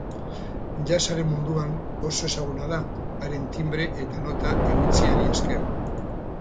Jazzaren munduan oso ezaguna da, haren timbre eta nota eutsiari esker.